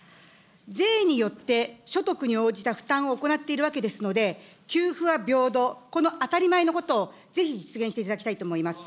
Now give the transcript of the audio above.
税によって所得に応じた負担を行っているわけですので、給付は平等、この当たり前のことをぜひ実現していただきたいと思います。